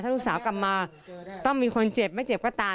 ลูกสาวกลับมาต้องมีคนเจ็บไม่เจ็บก็ตาม